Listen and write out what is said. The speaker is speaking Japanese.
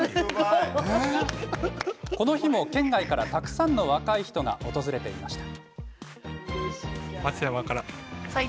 この日も県外から、たくさんの若い人が訪れていました。